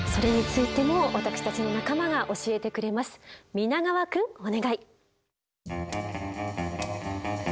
皆川くんお願い。